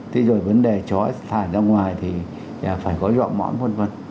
thế rồi vấn đề chó thải ra ngoài thì phải có dọa mõm v v